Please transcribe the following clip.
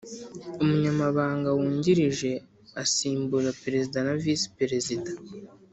umunyamabanga wungirije Asimbura perezida na visi perezida